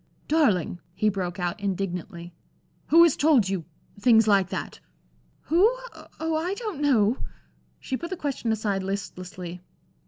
"Darling," he broke out, indignantly, "who has told you things like that?" "Who? Oh! I don't know." She put the question aside listlessly.